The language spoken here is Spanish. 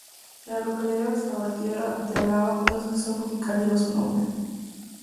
En la localidad de Salvatierra de Álava una asociación musical lleva su nombre.